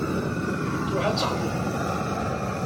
Truḥ ad texdem.